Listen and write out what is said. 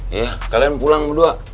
iya kalian pulang berdua